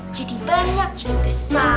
jadi banyak jadi besar